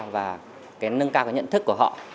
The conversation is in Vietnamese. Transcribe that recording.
và nâng cao cái nhận thức của họ